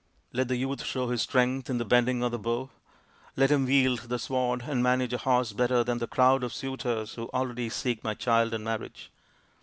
Let the youth show his strength in the bending of the bow. Let him wield the sword and manage a horse better than the crowd of suitors who already seek my child in marriage.